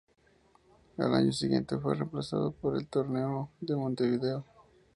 Al año siguiente fue reemplazado por el Torneo de Montevideo.